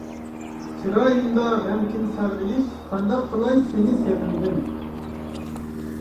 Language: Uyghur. چىرايىمدا غەمكىن سارغىيىش، قانداق قىلاي سېنى سېغىندىم.